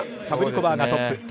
サブリコバーがトップ。